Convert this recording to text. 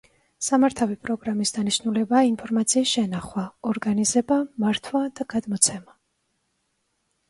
სამართავი პროგრამის დანიშნულებაა ინფორმაციის შენახვა, ორგანიზება, მართვა და გადმოცემა.